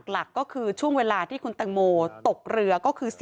หลักก็คือช่วงเวลาที่คุณตังโมตกเรือก็คือ